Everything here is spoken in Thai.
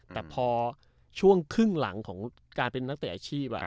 แต่พอช่วงครึ่งหลังของการเป็นนักเตะอาชีพ